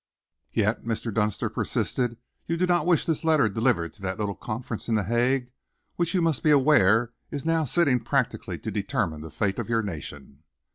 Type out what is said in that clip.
"Yet," Mr. Dunster persisted, "you do not wish this letter delivered to that little conference in The Hague, which you must be aware is now sitting practically to determine the fate of your nation?"